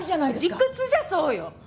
理屈じゃそうよ。